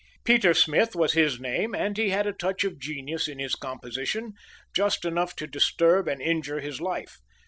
Peter Smith was his name, and he had a touch of genius in his composition, just enough to disturb and injure his life.